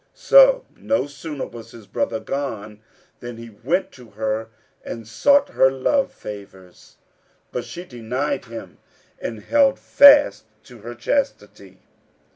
So no sooner was his brother gone than he went to her and sought her love favours; but she denied him and held fast to her chastity.